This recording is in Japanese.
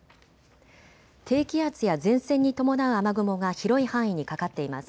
低気圧や前線に伴う雨雲が広い範囲にかかっています。